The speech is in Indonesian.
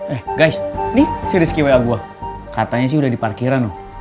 eh gus nih si rizky wa gue katanya sih udah di parkiran loh